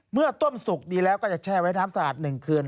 เมื่อต้มสุกดีแล้วก็จะแช่ไว้น้ำสะอาด๑คืน